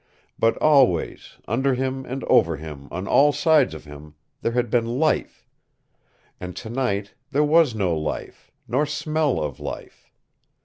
But always, under him and over him on all sides of him, there had been LIFE. And tonight there was no life, nor smell of life.